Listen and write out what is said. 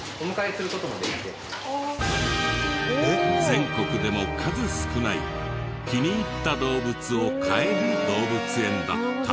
全国でも数少ない気に入った動物を買える動物園だった。